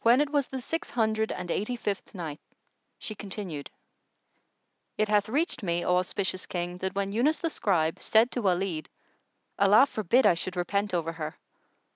When it was the Six Hundred and Eighty fifth Night, She continued, It hath reached me, O auspicious King, that when Yunus the Scribe said to Walid, "Allah forbid I should repent over her!